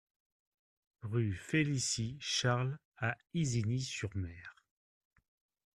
Rue Félicie Charles à Isigny-sur-Mer